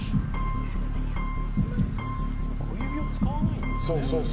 小指を使わないんだよね。